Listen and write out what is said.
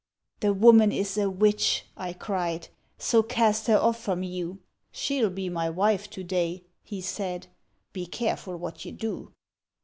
' The woman is a witch,' I cried, ' So cast her off" from you ';' She '11 be my wife to day,' he said, ' Be careful what you do!'